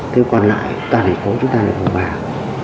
thế còn lại toàn thành phố chúng ta lại không vào